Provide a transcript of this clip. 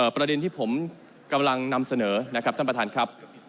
ประเด็นที่ผมกำลังนำเสนอนะครับท่านประธานครับ